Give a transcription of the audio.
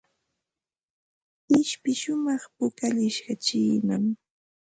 Ishpi shumaq pukallishqa chiinam.